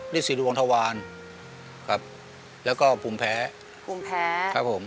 ศิลวงธวารครับแล้วก็ภูมิแพ้ภูมิแพ้ครับผม